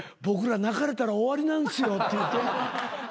僕ら泣かれたら終わりなんすよって言うて。